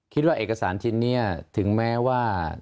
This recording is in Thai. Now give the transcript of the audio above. คิดว่าเอกสารชิ้นนี้ถึงแม้ว่า